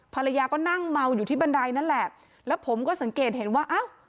ภรรยาก็นั่งเมาอยู่ที่บันไดนั่นแหละแล้วผมก็สังเกตเห็นว่าอ้าว